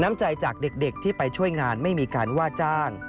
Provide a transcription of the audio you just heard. น้ำใจจากเด็กที่ไปช่วยงานไม่มีการว่าจ้าง